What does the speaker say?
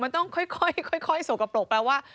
มันต้องค่อยสกปรกแปลว่า